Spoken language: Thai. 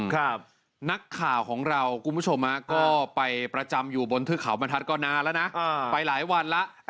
ครับนักข่าวของเราคุณผู้ชมก็ไปประจำอยู่บนเทือกเขาบรรทัศน์ก็นานแล้วนะไปหลายวันแล้ว